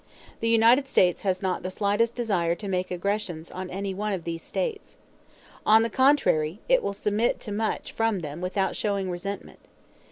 The United States has not the slightest desire to make aggressions on any one of these states. On the contrary, it will submit to much from them without showing resentment.